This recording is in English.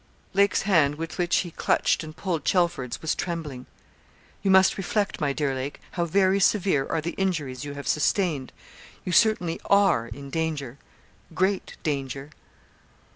Lake's hand, with which he clutched and pulled Chelford's, was trembling. 'You must reflect, my dear Lake, how very severe are the injuries you have sustained. You certainly are in danger great danger.'